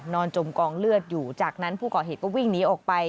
จมกองเลือดอยู่จากนั้นผู้ก่อเหตุก็วิ่งหนีออกไป